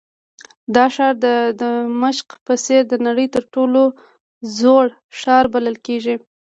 دا ښار د دمشق په څېر د نړۍ تر ټولو زوړ ښار بلل کېږي.